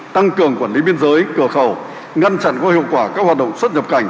tăng cường quản lý biên giới cửa khẩu ngăn chặn có hiệu quả các hoạt động xuất nhập cảnh